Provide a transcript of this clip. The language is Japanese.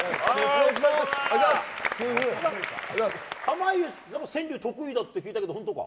濱家、川柳得意だって聞いたけど、本当か？